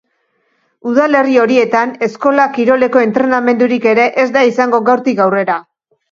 Udalerri horietan, eskola-kiroleko entrenamendurik ere ez da izango gaurtik aurrera.